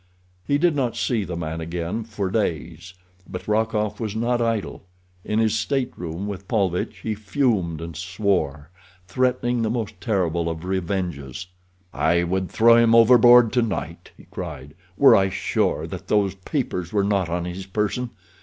He did not see the man again for days, but Rokoff was not idle. In his stateroom with Paulvitch he fumed and swore, threatening the most terrible of revenges. "I would throw him overboard tonight," he cried, "were I sure that those papers were not on his person.